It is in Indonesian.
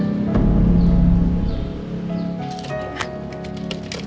ya udah oke